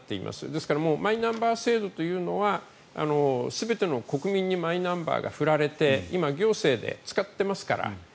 ですからマイナンバー制度というのは全ての国民にマイナンバーが振られて今、行政で使っていますから。